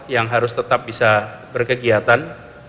yang harus tetap bisa berkegiatan